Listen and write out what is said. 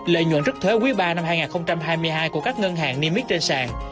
lợi nhuận trức thuế quý ba năm hai nghìn hai mươi hai của các ngân hàng